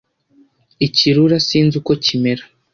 ikirura sinzi uko kimera